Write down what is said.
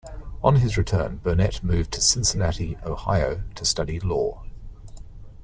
On his return Burnet moved to Cincinnati, Ohio, to study law.